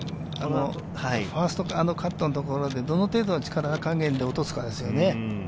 ファーストカットのところでどの程度の力加減で落とすかですね。